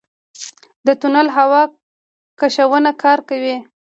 د تونل هوا کشونه کار کوي؟